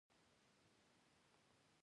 خور د ښو یادونو ساتونکې ده.